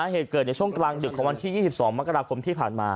เหตุเกิดในช่วงกลางดึกของวันที่๒๒มกราคมที่ผ่านมา